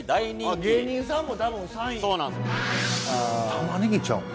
「玉ねぎちゃうん？」